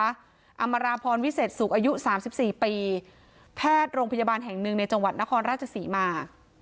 อามราพรวิเศษสุขอายุ๓๔ปีแพทย์โรงพยาบาลแห่งหนึ่งในจังหวัดนครราชศรีมา